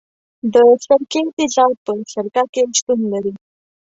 د سرکې تیزاب په سرکه کې شتون لري.